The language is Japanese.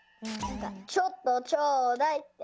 「ちょっとちょうだい」って。